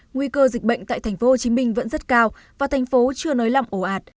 nguy cơ dịch bệnh tại tp hcm vẫn rất cao và thành phố chưa nới lỏng ổ ạt